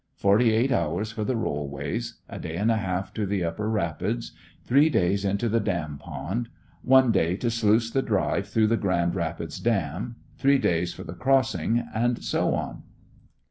Forty eight hours for the rollways; a day and a half to the upper rapids; three days into the dam pond; one day to sluice the drive through the Grand Rapids dam; three days for the Crossing; and so on.